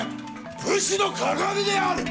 武士の鑑である！